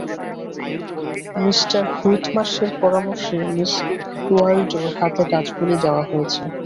Me হুইটমার্শের পরামর্শে Miss ওয়াল্ডোর হাতে কাজগুলি দেওয়া হয়েছে।